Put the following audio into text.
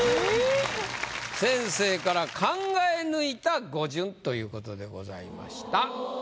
先生から「考え抜いた語順」ということでございました。